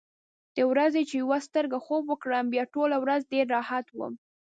د ورځې چې یوه سترګه خوب وکړم، بیا ټوله ورځ ډېر راحت وم.